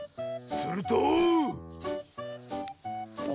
すると。